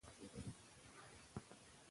هغه پاڼه چې زړه وه، پرې شوه.